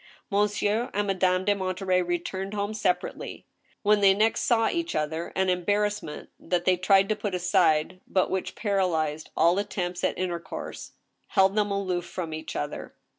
Monsieur and Madame de Monterey returned home separately. When they next saw each other, an embarrassment that they tried to put aside, but which paralyzed all attempts at intercourse, held them aloof from each other.